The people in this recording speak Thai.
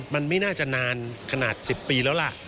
มันไม่น่าจะนานขนาด๑๐ปีแล้วล่ะ